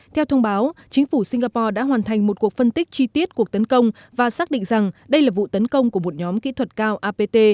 theo thông báo chính phủ singapore đã hoàn thành một cuộc phân tích chi tiết cuộc tấn công và xác định rằng đây là vụ tấn công của một nhóm kỹ thuật cao apt